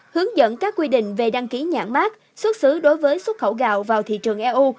hướng dẫn các quy định về đăng ký nhãn mát xuất xứ đối với xuất khẩu gạo vào thị trường eu